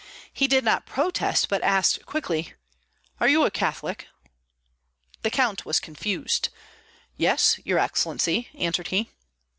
He did not protest, but asked quickly, "Are you a Catholic?" The count was confused. "Yes, your excellency," answered he.